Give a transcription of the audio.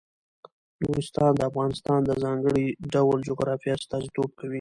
نورستان د افغانستان د ځانګړي ډول جغرافیه استازیتوب کوي.